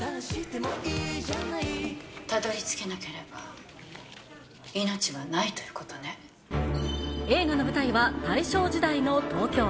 たどりつけなければ、映画の舞台は大正時代の東京。